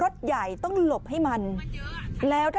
สุดยอดดีแล้วล่ะ